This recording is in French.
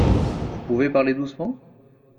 Vous pouvez parler doucement ?